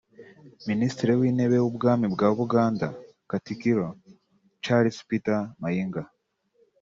Minisitiri w’Intebe w’Ubwami bwa Buganda ( Katikkiro) Charles Peter Mayiga